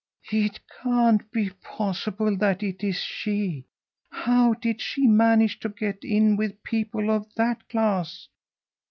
"It can't be possible that it is she! How did she manage to get in with people of that class?